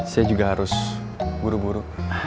saya juga harus buru buru